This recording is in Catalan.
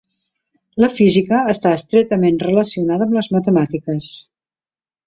La física està estretament relacionada amb les matemàtiques.